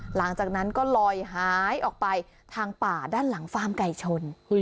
หลังจากนั้นก็ลอยหายออกไปทางป่าด้านหลังฟาร์มไก่ชน